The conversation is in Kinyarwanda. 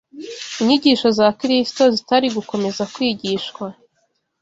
inyigisho za Kristo zitari gukomeza kwigishwa,